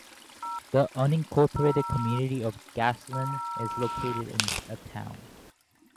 The unincorporated community of Gaslyn is located in the town.